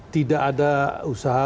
tidak ada usaha